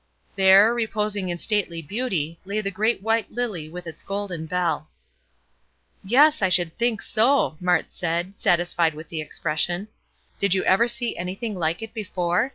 There, reposing in stately beauty, lay the great white lily with its golden bell. "Yes, I should think so!" Mart said, satisfied with the expression. "Did you ever see anything like that before?